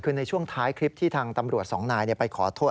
คือในช่วงท้ายคลิปที่ทางตำรวจสองนายไปขอโทษ